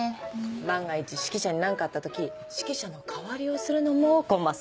万が一指揮者に何かあった時指揮者の代わりをするのもコンマス。